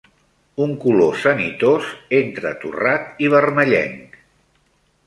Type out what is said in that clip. Un color sanitós, entre torrat i vermellenc.